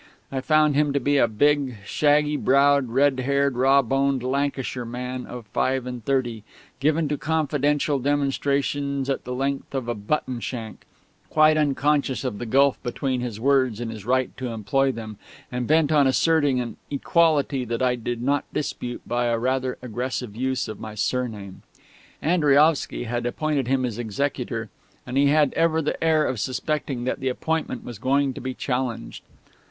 I found him to be a big, shaggy browed, red haired, raw boned Lancashire man of five and thirty, given to confidential demonstrations at the length of a button shank, quite unconscious of the gulf between his words and his right to employ them, and bent on asserting an equality that I did not dispute by a rather aggressive use of my surname. Andriaovsky had appointed him his executor, and he had ever the air of suspecting that the appointment was going to be challenged.